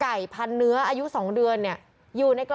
เพราะถูกทำร้ายเหมือนการบาดเจ็บเนื้อตัวมีแผลถลอก